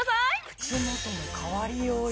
口元の変わりようよ